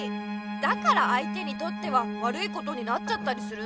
だから相手にとっては悪いことになっちゃったりするんだよ。